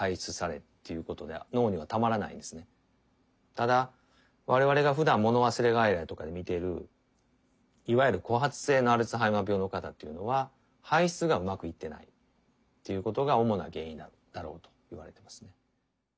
ただ我々がふだんもの忘れ外来とかで診ているいわゆる孤発性のアルツハイマー病の方っていうのは排出がうまくいっていないっていうことが主な原因だろうといわれてますね。